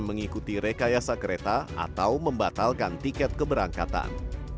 mengikuti rekayasa kereta atau membatalkan tiket keberangkatan